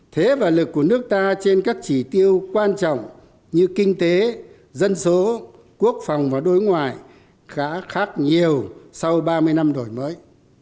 thế và lực của nước ta trên các chỉ tiêu quan trọng như kinh tế dân số quốc phòng và đối ngoại khá khác nhiều sau ba mươi năm đổi mới